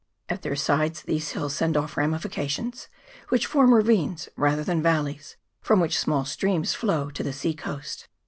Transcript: At their sides these hills send off ramifications, which form ra vines rather than valleys, from which small streams flow to the sea coast.